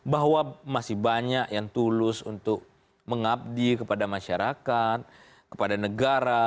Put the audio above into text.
bahwa masih banyak yang tulus untuk mengabdi kepada masyarakat kepada negara